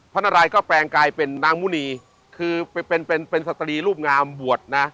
นารัยก็แปลงกลายเป็นนางมุณีคือเป็นเป็นสตรีรูปงามบวชนะ